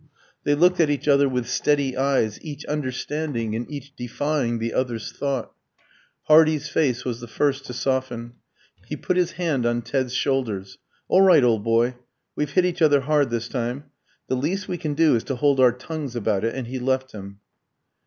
They looked at each other with steady eyes, each understanding and each defying the other's thought. Hardy's face was the first to soften. He put his hand on Ted's shoulders. "All right, old boy. We've hit each other hard this time. The least we can do is to hold our tongues about it." And he left him.